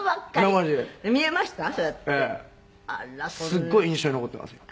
「すっごい印象に残ってますよ」